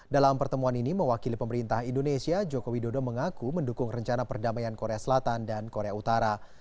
dalam pertemuan ini mewakili pemerintah indonesia joko widodo mengaku mendukung rencana perdamaian korea selatan dan korea utara